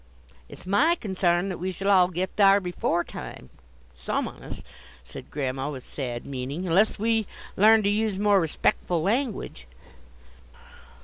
"It's my consarn that we shall git thar' before time, some on us," said Grandma, with sad meaning, "unless we larn to use more respec'ful language."